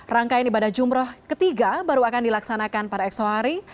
rangkaian ibadah jumroh ketiga baru akan dilaksanakan pada eksohari